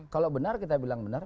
kalau benar kita bilang benar